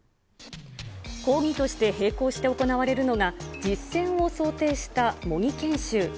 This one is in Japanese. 講義と並行して行われるのが実践を想定した模擬研修。